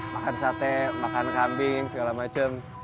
makan i tujuh makan cami nggak segala macem